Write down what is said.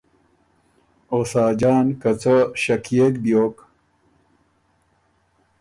او ساجان که څه ݭکيېک بیوک